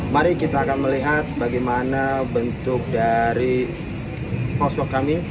mari kita akan melihat bagaimana bentuk dari posko kami